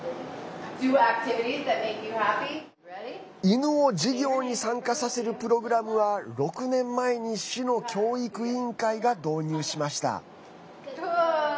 犬を授業に参加させるプログラムは６年前に市の教育委員会が導入しました。